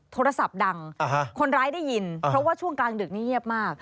โทรศัพท์ดังคนร้ายได้ยินเพราะว่าช่วงกลางดึกนี้เงียบมาก